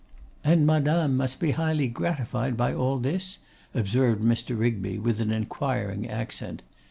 'And Madame must be highly gratified by all this?' observed Mr. Rigby, with an enquiring accent.